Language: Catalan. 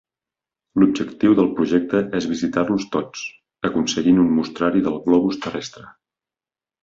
L'objectiu del projecte és visitar-los tots, aconseguint un mostrari del globus terrestre.